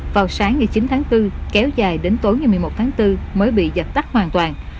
vào sáng ngày chín tháng bốn kéo dài đến tối ngày một mươi một tháng bốn mới bị dập tắt hoàn toàn